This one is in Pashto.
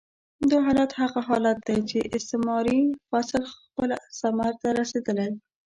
دا حالت هغه حالت دی چې استعماري فصل خپل ثمر ته رسېدلی.